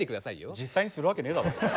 実際にするわけねえだろ。